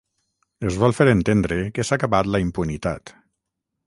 Es vol fer entendre que s'ha acabat la impunitat